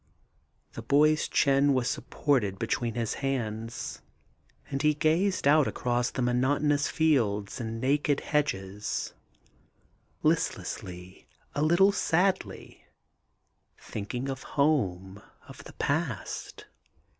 The boy's chin was supported between his hands, and he gazed out across the monotonous fields and naked hedges, listlessly, a little sadly, thinking of home, of the past.